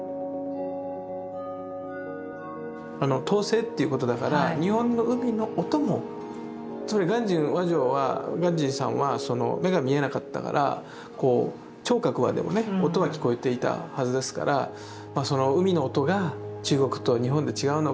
「濤声」っていうことだから日本の海の音もつまり鑑真和上は鑑真さんは目が見えなかったから聴覚はでもね音は聞こえていたはずですからその海の音が中国と日本で違うのか